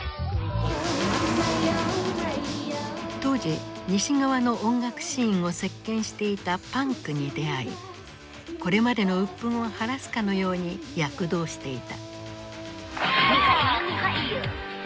当時西側の音楽シーンを席巻していたパンクに出会いこれまでの鬱憤を晴らすかのように躍動していた。